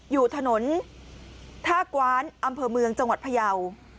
อยู่ถนนท่ากว้านอำเภอเมืองจังหวัดพยาว